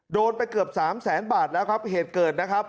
โดนไปเกือบสามแสนบาทแล้วครับเหตุเกิดนะครับ